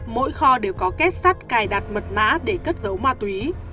mỗi kho đều có kết sắt cài đặt mật mã để cất giấu ma túy